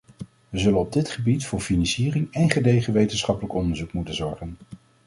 We zullen op dit gebied voor financiering en gedegen wetenschappelijk onderzoek moeten zorgen.